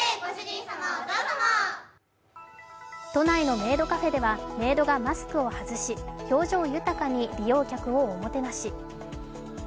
都内のメイドカフェではメイドがマスクを外し、表情豊かに利用客をおもてなし。